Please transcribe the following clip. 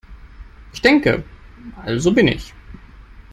Ich denke, also bin ich.